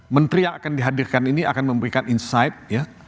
menteri yang akan dihadirkan ini akan memberikan insight ya